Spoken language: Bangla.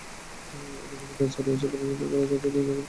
অনুমোদন ছাড়া এসব পরিচালনা করায় তাদের তিন লাখ টাকা জরিমানা করা হয়।